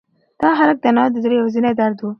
دغه هلک د انا د زړه یوازینۍ درد و.